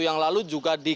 yang lalu juga di